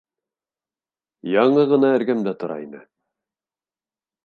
Яңы ғына эргәмдә тора ине...